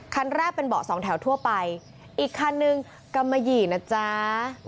คันแรกเป็นเบาะสองแถวทั่วไปอีกคันนึงกำมะหยี่นะจ๊ะ